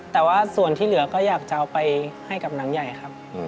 แต่ว่าส่วนที่เหลือก็อยากจะเอาไปให้กับหนังใหญ่ครับ